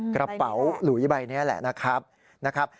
กระเป๋าหลุยใบนี้แหละนะครับ